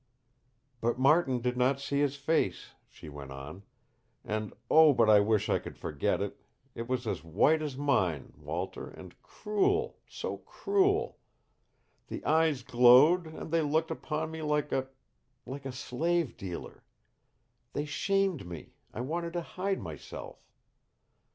"But Martin did not see his face," she went on. "And oh, but I wish I could forget it. It was as white as mine, Walter, and cruel, so cruel; the eyes glowed and they looked upon me like a like a slave dealer. They shamed me I wanted to hide myself.